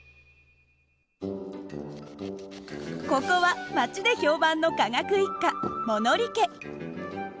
ここは町で評判の科学一家物理家。